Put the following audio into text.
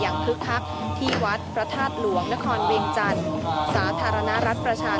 โรงแรมน่าความโทนที่สำหรับทลวงสร้างประเทศใช้จุดเรียขันหาว